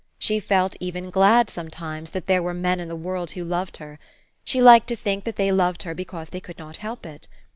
She felt even glad some times, that there were men in the world who loved her. She liked to think that they loved her because they could not help it.